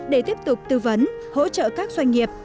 để tiếp tục tư vấn hỗ trợ các doanh nghiệp